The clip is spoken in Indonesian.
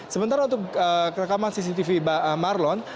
sementara untuk rekaman cctv marlon